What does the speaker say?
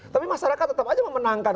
tapi masyarakat tetap aja memenangkan